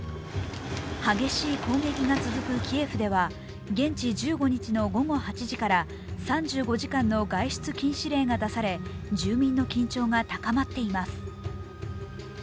激しい攻撃が続くキエフでは現地１５日の午後８時から３５時間の外出禁止令が出され住民の緊張が高まっています。